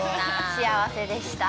◆幸せでした。